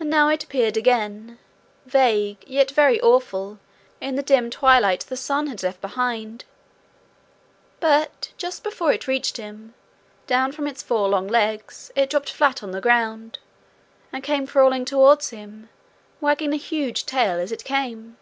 And now it appeared again, vague, yet very awful, in the dim twilight the sun had left behind. But just before it reached him, down from its four long legs it dropped flat on the ground, and came crawling towards him, wagging a huge tail as it came.